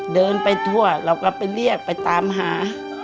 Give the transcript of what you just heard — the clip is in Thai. เดินไปทั่วเราก็ไปเรียกไปตามหา